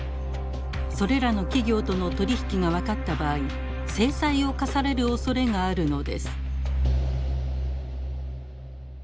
それらの企業との取り引きが分かった場合制裁を科されるおそれがあるのです。